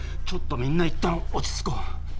ちょっとみんないったん落ち着こう。